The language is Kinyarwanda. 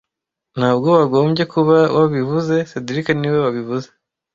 Ntabwo wagombye kuba wabivuze cedric niwe wabivuze